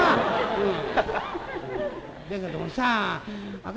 うん。